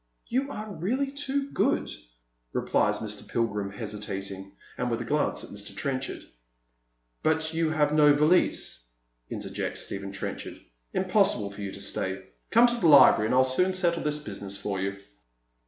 " You are really too good," replies Mr. Pilgrim, hesitating, and with a glance at Mr. Trenchard. " But you have no valise," intei jects Stephen Trenchard, " im possible for you to stay. Come to the library, and I'll soon settle tliis business for you."